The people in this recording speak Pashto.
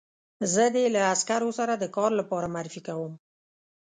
زه دې له عسکرو سره د کار لپاره معرفي کوم